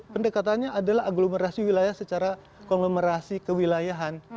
pendekatannya adalah aglomerasi wilayah secara konglomerasi kewilayahan